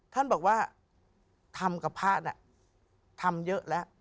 ท่านบอกว่าทำกับพระน่ะทำเยอะแล้ว